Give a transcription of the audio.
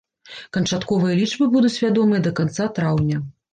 Канчатковыя лічбы будуць вядомыя да канца траўня.